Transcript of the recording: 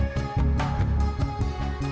si diego udah mandi